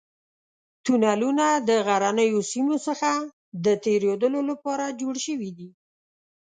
تونلونه د غرنیو سیمو څخه د تېرېدو لپاره جوړ شوي دي.